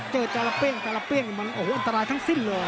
เจอจาระเปรี้ยงจาระเปรี้ยงอ่ะอุ้โหวอันตรายทั้งสิ้นเลย